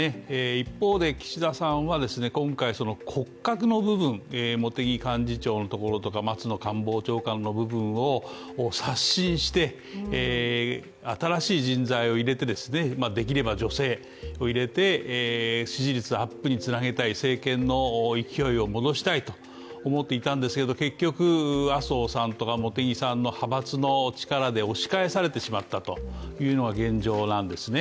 一方で岸田さんは今回骨格の部分、茂木幹事長のところとか松野官房長官の部分を刷新して、新しい人材を入れてできれば女性を入れて、支持率アップにつなげたい、政権の勢いを戻したいと思っていたんですけど結局麻生さんとか茂木さんの派閥の力で押し返されてしまったのが現状なんですね。